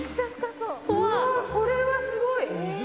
うわこれはすごい。